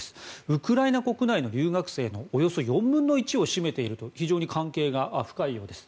ウクライナ国内の留学生のおよそ４分の１を占めていると非常に関係が深いようです。